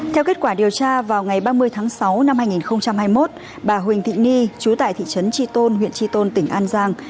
theo kết quả điều tra vào ngày ba mươi tháng sáu năm hai nghìn hai mươi một bà huỳnh thị ni chú tại thị trấn tri tôn huyện tri tôn tỉnh an giang